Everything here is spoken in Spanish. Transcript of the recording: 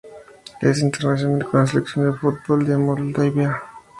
Es internacional con la selección de fútbol de Moldavia.